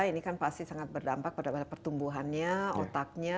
ini kan pasti sangat berdampak pada pertumbuhannya otaknya